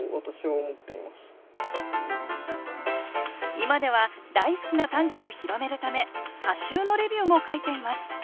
今では大好きな短歌を広めるため歌集のレビューも書いています。